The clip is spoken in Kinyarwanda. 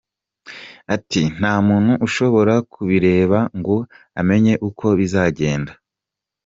Ati “ Nta muntu ushobora kubireba ngo amenye uko bizagenda.